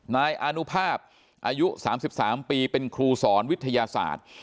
นายอานุภาพอายุ๓๓ปีเป็นครูสอนวิทยาศาสตร์